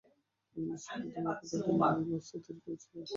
তিনি বিশ্বের প্রথম রকেট আর্টিলারি এবং বিভিন্ন অস্ত্র তৈরি করেছিল।